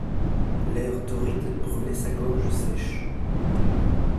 L'air torride brûlait sa gorge sèche.